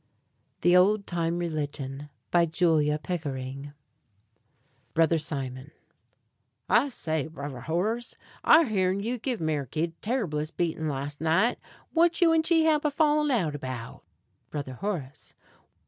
THE OLD TIME RELIGION. BY JULIA PICKERING. Brother Simon. I say, Brover Horace, I hearn you give Meriky de terriblest beating las' nite. What you and she hab a fallin' out about? _Brother Horace.